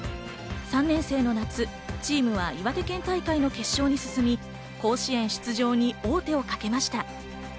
３年生の夏、チームは岩手県大会の決勝に進み、甲子園出場に王手をかけました。